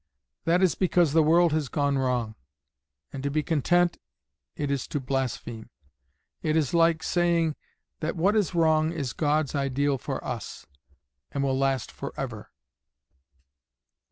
That is because the world has gone wrong; and to be content, it is to blaspheme; it is like saying that what is wrong is God's ideal for us, and will last for ever."